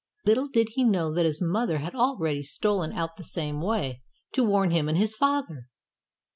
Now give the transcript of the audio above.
Little did he know that his mother had already stolen out the same way, to warn him and his father.